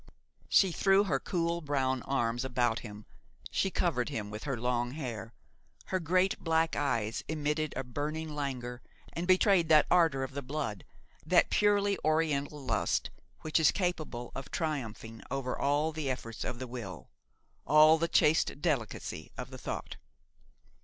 She threw her cool, brown arms about him, she covered him with her long hair; her great black eyes emitted a burning languor and betrayed that ardor of the blood, that purely oriental lust which is capable of triumphing over all the efforts of the will, all the chaste delicacy of the thought.